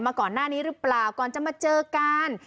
มาก่อนหน้านี้หรือเปล่าก่อนจะมาเจอกัน